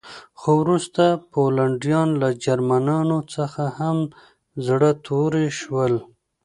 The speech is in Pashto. خو وروسته پولنډیان له جرمنانو څخه هم زړه توري شول